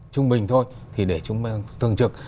trung bình thôi thì để chúng tôi thường trực